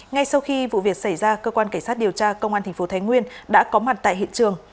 ngay sau khi vụ việc xảy ra cơ quan cảnh sát điều tra công an tp thái nguyên đã có mặt tại hiện trường